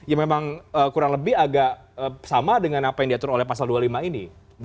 ya memang kurang lebih agak sama dengan apa yang diatur oleh pasal dua puluh lima ini